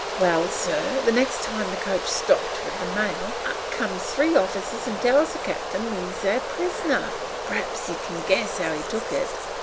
"Well, sir, the next time the coach stopped with the mail, up comes three officers and tells the cap'n he's their prisoner. P'rhaps you can guess how he took it.